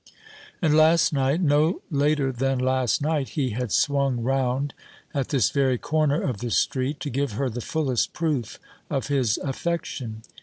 And last night, no later than last night, he had swung round at this very corner of the street to give her the fullest proof of his affection.